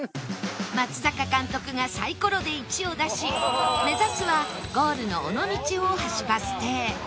松坂監督がサイコロで１を出し目指すはゴールの尾道大橋バス停